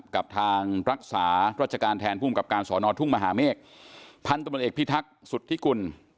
กับทางรักษารัชการแทนภูมิกับการสอนอทุ่งมหาเมฆพันธุ์ตำรวจเอกพิทักษุธิกุล